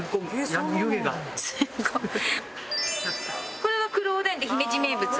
これが黒おでん姫路名物。